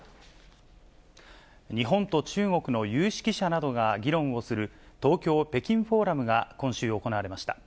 日本と中国の有識者などが議論をする、東京ー北京フォーラムが今週行われました。